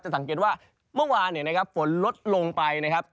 จะสังเกตว่าเมื่อวานฝนลดลงไปนะครับ